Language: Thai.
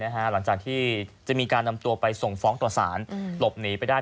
หลังจากที่จะมีการนำตัวไปส่งฟ้องต่อสารหลบหนีไปได้